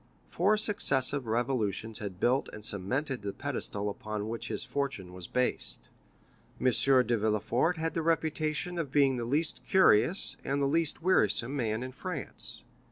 Four successive revolutions had built and cemented the pedestal upon which his fortune was based. M. de Villefort had the reputation of being the least curious and the least wearisome man in France.